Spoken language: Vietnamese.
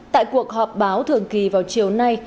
tại cuộc họp báo thường kỳ vào chiều nay